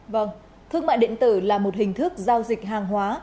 vâng thương mại điện tử là một hình thức giao dịch hàng hóa